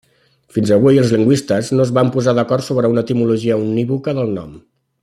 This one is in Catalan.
Fins avui, els lingüistes no es van posar d'acord sobre una etimologia unívoca del nom.